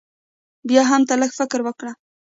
بيا هم تۀ لږ فکر وکړه